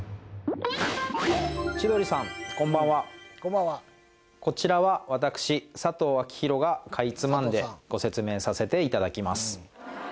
千鳥さんこんばんはこちらは私佐藤昭裕がかいつまんでご説明させていただきます